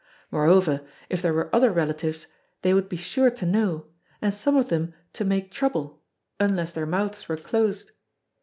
Moreover, if there were other relatives, they would be sure to know, and some of them to make trouble unless their mouths were closed.